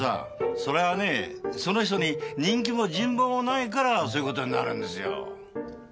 そりゃあねぇその人に人気も人望もないからそういう事になるんですよ。